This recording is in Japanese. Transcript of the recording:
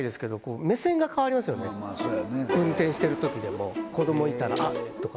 運転してる時でも子供いたら。とか。